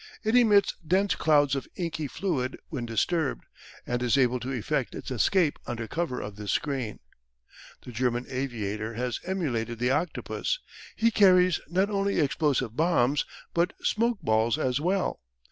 It emits dense clouds of inky fluid when disturbed, and is able to effect its escape under cover of this screen. The German aviator has emulated the octopus. He carries not only explosive bombs but smoke balls as well.